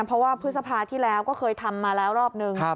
เพราะว่าพฤษภาที่แล้วก็เคยทำมาแล้วรอบนึง